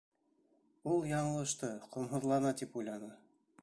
Ул яңылышты, ҡомһоҙлана, тип уйланы.